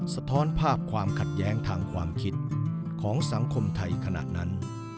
สะท้อนภาพความขัดแย้งทางความคิดของสังคมไทยขณะนั้น